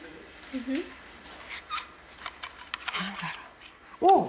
何だろう？